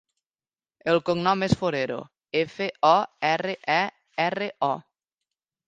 El cognom és Forero: efa, o, erra, e, erra, o.